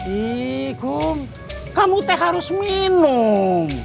iy kom kamu teh harus minum